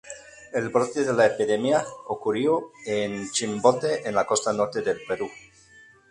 El brote de la epidemia ocurrió en Chimbote en la costa norte del Perú.